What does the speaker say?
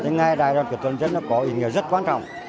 ngày đại đoàn kết toàn dân có ý nghĩa rất quan trọng